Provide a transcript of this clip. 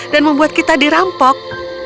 dan membuat kita dirampok